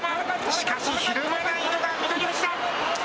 しかし、ひるまないのが翠富士だ。